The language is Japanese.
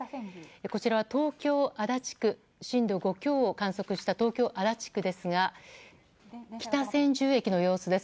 こちらは震度５強を観測した東京・足立区ですが北千住駅の様子です。